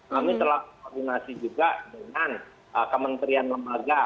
kami telah koordinasi juga dengan kementerian lembaga